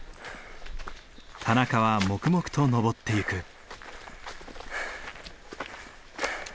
田中は黙々と登っていく。